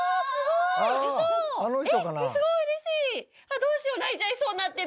どうしよう泣いちゃいそうになってる。